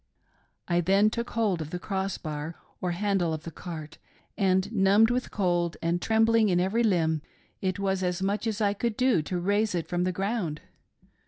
" I then took hold of the cross bar or handle of the cart, and numbed with the cold, and trembling in every limb, it was as much as I could do to raise it from the ground.